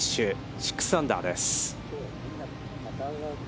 ６アンダーです。